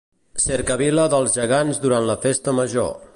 Cercavila dels gegants durant la Festa Major.